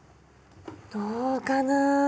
どうかな？